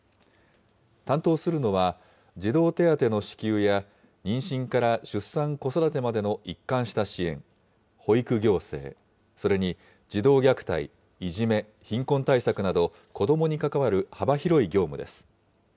担当するのは、児童手当の支給や妊娠から出産、子育てまでの一貫した支援、保育行政、それに児童虐待、いじめ、貧困対策など、子どもに関わる幅広い業務です。